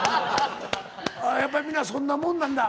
やっぱりみんなそんなもんなんだ。